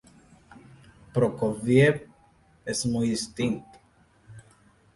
Prokofiev es muy distinto.